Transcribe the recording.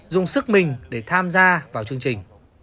dùng sức mình để tham gia vào chương trình